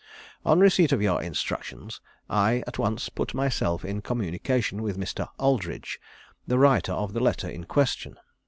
"On receipt of your instructions, I at once put myself in communication with Mr. Aldridge, the writer of the letter in question.